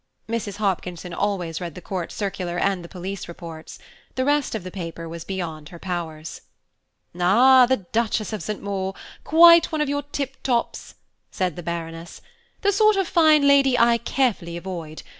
Mrs. Hopkinson always read the Court Circular and the Police Reports. The rest of the paper was beyond her powers. "Ah, the Duchess of St. Maur. Quite one of your tip tops," said the Baroness; "the sort of fine lady I carefully avoid.